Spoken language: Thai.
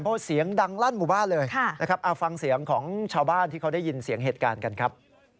เพราะเสียงดังลั่นหมู่บ้านเลยนะครับเอาฟังเสียงของชาวบ้านที่เขาได้ยินเสียงเหตุการณ์กันครับ